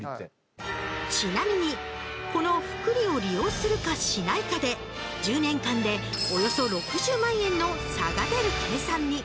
ちなみにこの複利を利用するかしないかで１０年間でおよそ６０万円の差が出る計算に！